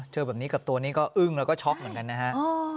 เจอแบบนี้กับตัวนี้ก็อึ้งแล้วก็ช็อกเหมือนกันนะฮะ